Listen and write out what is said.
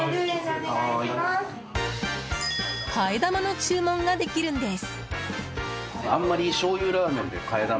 替え玉の注文ができるんです。